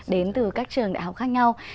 đến từ các trường đại học khác nhau